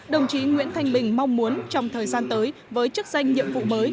đồng chí nguyễn thanh bình mong muốn trong thời gian tới với chức danh nhiệm vụ mới